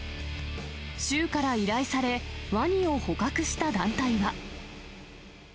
州から依頼され、ワニを捕獲した団体は。